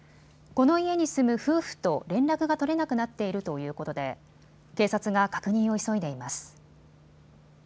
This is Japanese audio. この家に住む夫婦と連絡が取れなくなっているということで警察が確認を急いでいます。